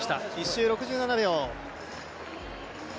１周６７秒。